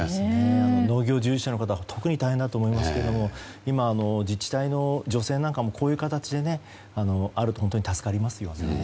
農業従事者の方は特に大変だと思いますが今、自治体の助成なんかもこういう形であると本当に助かりますよね。